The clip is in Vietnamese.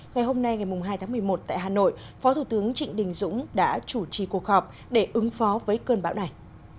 ngày hôm nay ngày hai tháng một mươi một tại hà nội phó thủ tướng trịnh đình dũng đã chủ trì cuộc họp để ứng phó với cơn bão này